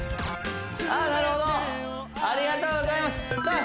ああなるほどありがとうございますさあ